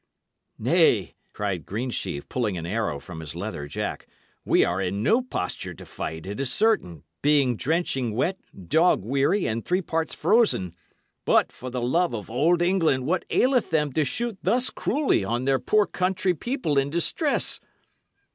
"Nay," cried Greensheve, pulling an arrow from his leather jack. "We are in no posture to fight, it is certain, being drenching wet, dog weary, and three parts frozen; but, for the love of old England, what aileth them to shoot thus cruelly on their poor country people in distress?"